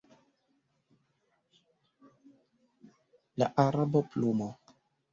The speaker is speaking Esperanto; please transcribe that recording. La arbo, plumo